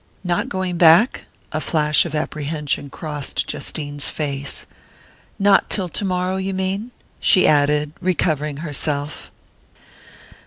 "Not going back?" A flash of apprehension crossed Justine's face. "Not till tomorrow, you mean?" she added, recovering herself.